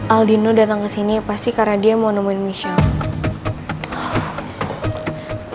aldino datang kesini pasti karena dia mau nemuin michelle